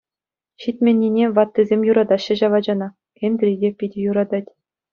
Ҫитменнине, ваттисем юратаҫҫӗ ҫав ачана, Энтри те питӗ юратать.